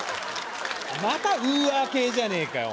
またウーアー系じゃねえかよ